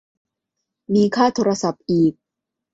มีค่าโทรศัพท์อีก